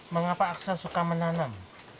mengapa aksa suka menanam